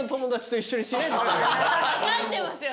分かってますよ。